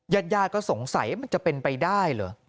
ญาติญาติก็สงสัยมันจะเป็นไปได้เหรอ